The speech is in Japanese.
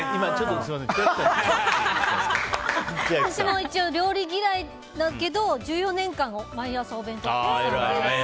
私も一応料理嫌いだけど１４年間、毎朝お弁当を作ってたので。